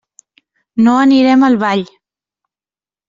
No anirem al ball.